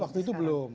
waktu itu belum